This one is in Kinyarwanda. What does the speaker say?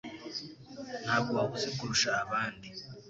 ntabwo ahuze kurusha abandi.